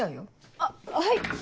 あっはい。